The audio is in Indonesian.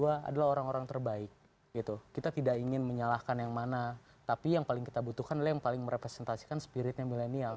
kedua adalah orang orang terbaik kita tidak ingin menyalahkan yang mana tapi yang paling kita butuhkan adalah yang paling merepresentasikan spiritnya milenial